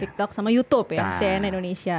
tiktok sama youtube ya cnn indonesia